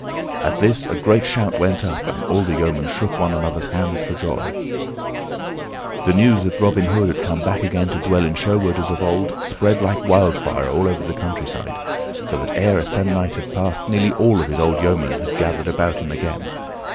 At this a great shout went up, and all the yeomen shook one another's hands for joy. The news that Robin Hood had come back again to dwell in Sherwood as of old spread like wildfire all over the countryside, so that ere a se'ennight had passed nearly all of his old yeomen had gathered about him again.